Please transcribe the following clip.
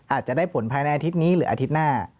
อาจจะได้ผลภายในอาทิตย์นี้หรืออาทิตย์หน้า